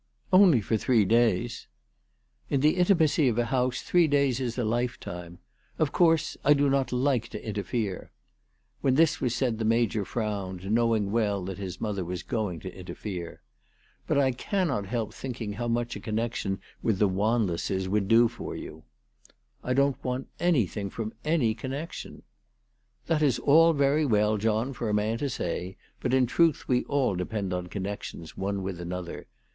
" Only for three days." " In the intimacy of a house three days is a lifetime. Of course I do not like to interfere." When this was ALICE DUGDALE. 337 said the Major frowned, knowing well that his mother was going to interfere. " But I cannot help thinking how much a connection with the Wanlesses would do for you." " I don't want anything from any connection/' " That is all very well, John, for a man to say ; but in truth we all depend on connections one with another.